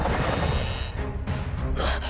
あっ。